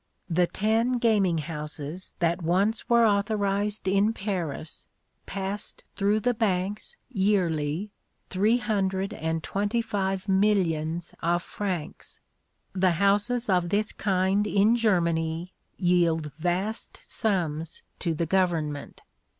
The ten gaming houses that once were authorized in Paris passed through the banks, yearly, three hundred and twenty five millions of francs! The houses of this kind in Germany yield vast sums to the government.